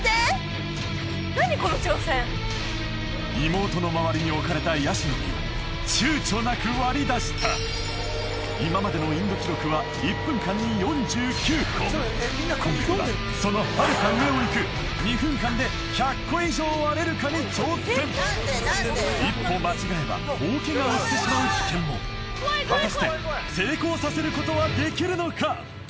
妹の周りに置かれたヤシの実をちゅうちょなく割りだした今までの今回はそのはるか上をいく２分間で１００個以上割れるかに挑戦一歩間違えば大ケガをしてしまう危険も果たして成功させることはできるのか